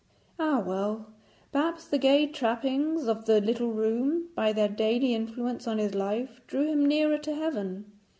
Ah well, perhaps the gay trappings of the little room, by their daily influence on his life, drew him nearer to heaven.